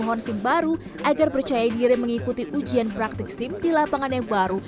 pemohon sim baru agar percaya diri mengikuti ujian praktik sim di lapangan yang baru